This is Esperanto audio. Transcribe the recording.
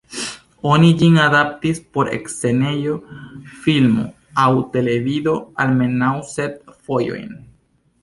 Oni ĝin adaptis por scenejo, filmo, aŭ televido almenaŭ sep fojojn.